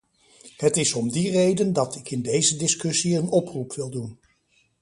Het is om die reden dat ik in deze discussie een oproep wil doen.